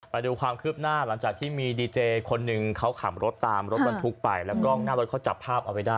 ไปดูความคืบหน้าหลังจากที่มีดีเจคนหนึ่งเขาขับรถตามรถบรรทุกไปแล้วกล้องหน้ารถเขาจับภาพเอาไว้ได้